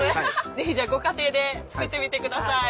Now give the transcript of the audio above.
ぜひご家庭で作ってみてください。